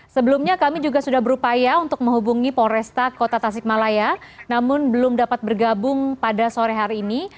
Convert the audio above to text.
sebelumnya kami juga sudah berupaya untuk menghubungi polresta kota tasikmalaya namun belum dapat bergabung pada sore hari ini